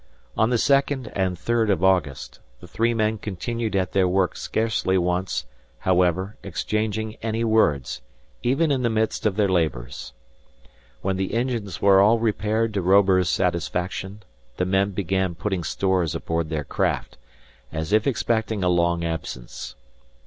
On the second and third of August, the three men continued at their work scarcely once, however, exchanging any words, even in the midst of their labors. When the engines were all repaired to Robur's satisfaction, the men began putting stores aboard their craft, as if expecting a long absence.